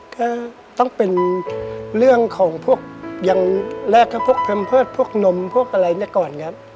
ก็ต้องเป็นเรื่องของพวกอย่างแรกก็พวกแพมเพิร์ตพวกนมพวกอะไรเนี่ยก่อนครับ